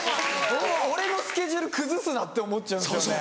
俺のスケジュール崩すなって思っちゃうんですよね。